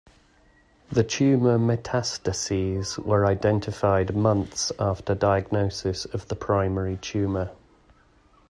The Tumour metastases were identified months after diagnosis of the primary tumour.